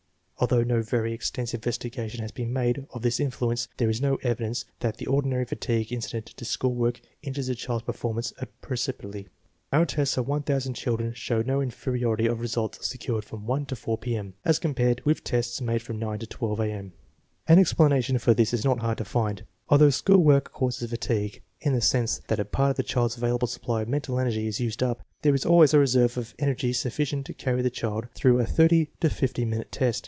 Although no very extensive investigation has been made of INSTRUCTIONS FOR USING 127 this influence, there is no evidence that the ordinary fatigue incident to school work injures the child's performance appreciably. Our tests of 1000 children showed no in feriority of results secured from 1 to 4 P.M., as compared with tests made from 9 to 1 A.M. An explanation for this is not hard to find. Although school work causes fatigue, in the sense that a part of the child's available supply of mental energy is used up, there is always a reserve of energy sufficient to carry the child through a thirty to fifty minute test.